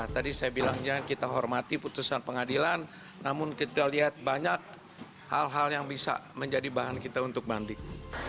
tadi saya bilang jangan kita hormati putusan pengadilan namun kita lihat banyak hal hal yang bisa menjadi bahan kita untuk banding